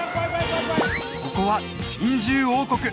ここは珍獣王国